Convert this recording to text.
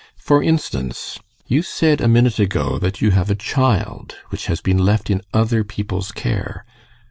For instance, you said a minute ago that you have a child which has been left in other people's care.